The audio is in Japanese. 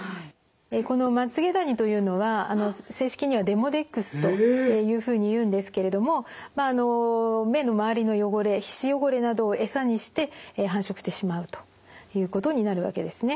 このまつげダニというのは正式にはデモデックスというふうにいうんですけれども目の周りの汚れ皮脂汚れなどを餌にして繁殖してしまうということになるわけですね。